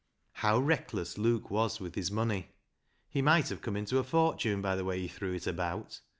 How reckless Luke was with his money ! He might have come into a fortune by the way he threw it about.